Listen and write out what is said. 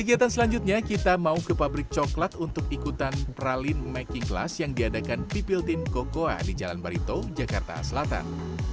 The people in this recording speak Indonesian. kegiatan selanjutnya kita mau ke pabrik coklat untuk ikutan pralin making class yang diadakan pipiltin kokoa di jalan barito jakarta selatan